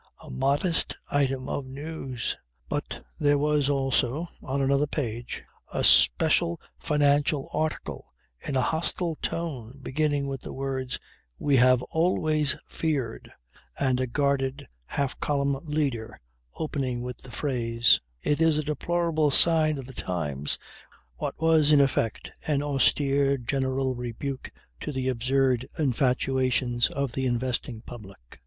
a modest item of news! But there was also, on another page, a special financial article in a hostile tone beginning with the words "We have always feared" and a guarded, half column leader, opening with the phrase: "It is a deplorable sign of the times" what was, in effect, an austere, general rebuke to the absurd infatuations of the investing public.